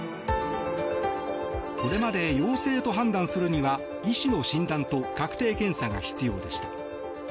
これまで陽性と判断するには医師の診断と確定検査が必要でした。